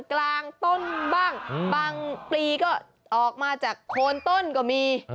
กลางต้นบ้างบางปลีก็ออกมาจากโคนต้นก็มี